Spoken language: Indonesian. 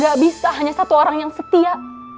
gak bisa hanya satu orang yang setia